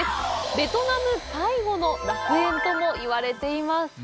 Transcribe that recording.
ベトナム最後の楽園とも言われています。